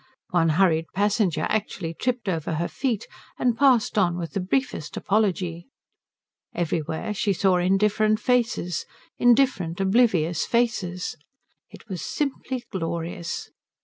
One hurried passenger actually tripped over her feet, and passed on with the briefest apology. Everywhere she saw indifferent faces, indifferent, oblivious faces. It was simply glorious.